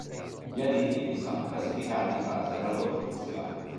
Gli additivi sono classificati in base alla loro funzione.